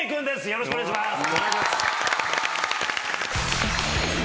よろしくお願いします。